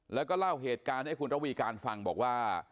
แล้วก็เล่าเหตุการณ์ให้คุณระวีการฟังบอกว่า